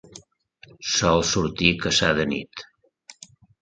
Sol sortir a caçar de nit.